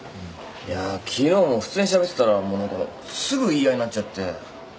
いや昨日も普通にしゃべってたらもう何かすぐ言い合いになっちゃって。